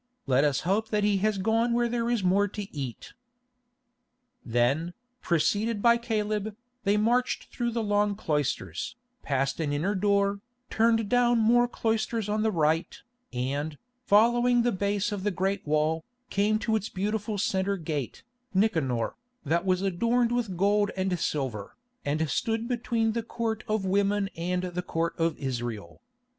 Let us hope that he has gone where there is more to eat." Then, preceded by Caleb, they marched through the long cloisters, passed an inner door, turned down more cloisters on the right, and, following the base of the great wall, came to its beautiful centre gate, Nicanor, that was adorned with gold and silver, and stood between the Court of Women and the Court of Israel.